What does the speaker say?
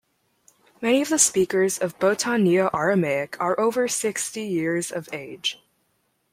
Many of the speakers of Bohtan Neo-Aramaic are over sixty year of age.